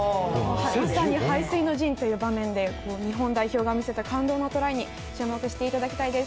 まさに背水の陣という場面で日本代表が見せた感動のトライに注目していただきたいです。